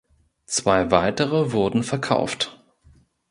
Zwei weitere wurden verkauft.